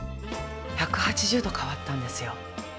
１８０度変わったんですよ。